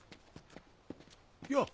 よっ！